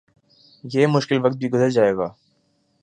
یہ مشکل وقت بھی گزر جائے گا